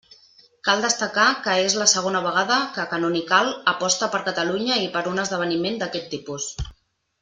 Cal destacar que és la segona vegada que Canonical aposta per Catalunya per a un esdeveniment d'aquest tipus.